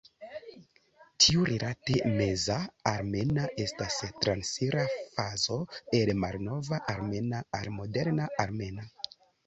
Tiurilate, Meza armena estas transira fazo el malnova armena al moderna armena.